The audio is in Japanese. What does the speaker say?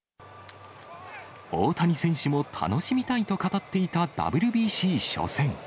大谷選手も楽しみたいと語っていたＷＢＣ初戦。